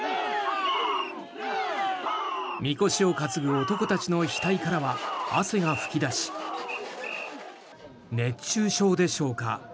みこしを担ぐ男たちの額からは汗が噴き出し熱中症でしょうか。